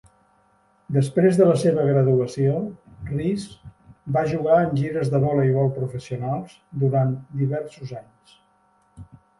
Després de la seva graduació, Reece va jugar en gires de voleibol professionals durant diversos anys.